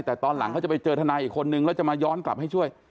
แต่ตอนหลังเขาจะไปเจอทนายอีกคนนึงแล้วจะมาย้อนกลับให้ช่วย